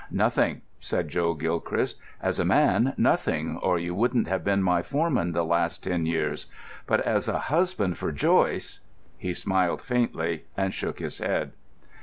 "Nothing," said Joe Gilchrist. "As a man—nothing, or you wouldn't have been my foreman the last ten years; but as a husband for Joyce——" He smiled faintly and shook his head.